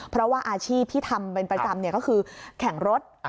เพราะว่าอาชีพที่ทำเป็นประจำก็คือแข่งรถ